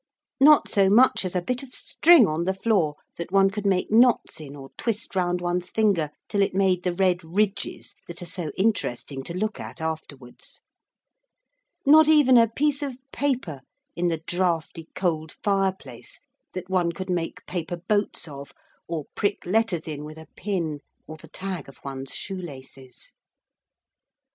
Not so much as a bit of string on the floor that one could make knots in, or twist round one's finger till it made the red ridges that are so interesting to look at afterwards; not even a piece of paper in the draughty, cold fireplace that one could make paper boats of, or prick letters in with a pin or the tag of one's shoe laces.